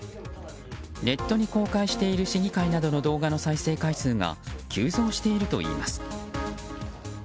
ネットに公開している市議会などの動画の再生回数が急増しているといいます。